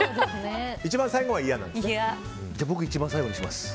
一番最後は嫌なんですね。